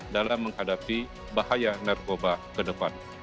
dalam menghadapi bahaya narkoba ke depan